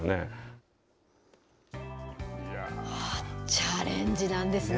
チャレンジなんですね。